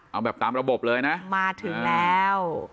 เอาแบบตามระบบเลยนะมาถึงแล้ว